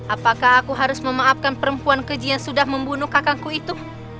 apakah aku harus memaafkan perempuan keji yang sudah membunuh kakakku itu